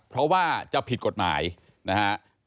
เพราะว่าจะผิดกฎหมายนะฮะ